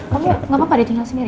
kamu ya gak apa apa di tinggal sendiri